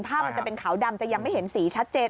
มันจะเป็นขาวดำจะยังไม่เห็นสีชัดเจน